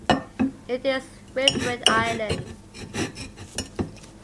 It is an riverine island.